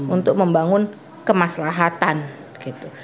untuk membangun kemaslahatan gitu